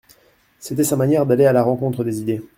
C'était sa manière d'aller à la rencontre des idées.